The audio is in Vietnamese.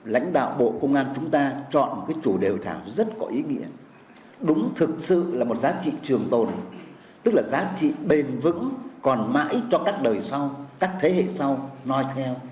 lãnh đạo bộ công an chúng ta chọn một chủ đề hội thảo rất có ý nghĩa đúng thực sự là một giá trị trường tồn tức là giá trị bền vững còn mãi cho các đời sau các thế hệ sau nói theo